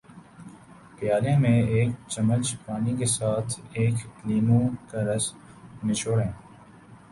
پیالے میں ایک چمچ پانی کے ساتھ ایک لیموں کا رس نچوڑیں